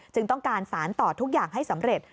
ต้องการสารต่อทุกอย่างให้สำเร็จ